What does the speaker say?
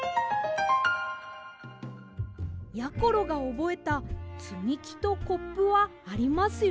やころがおぼえたつみきとコップはありますよ。